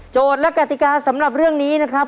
และกติกาสำหรับเรื่องนี้นะครับ